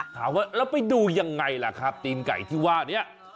ถามว่าแล้วไปดูยังไงล่ะครับตีนไก่ที่ว่านี้